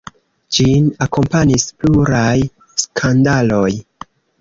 Ĝin akompanis pluraj skandaloj.